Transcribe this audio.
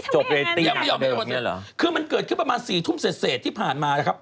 จบแบบนั้นยังไม่ยอมให้คนเสิร์ตคือมันเกิดขึ้นประมาณ๔ทุ่มเศษที่ผ่านมานะครับ